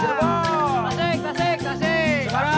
tasik tasik tasik